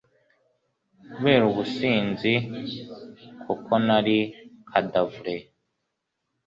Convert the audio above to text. kubera ubusinzi kuko nari kadavure